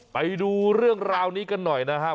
ไปดูเรื่องราวนี้กันหน่อยนะครับ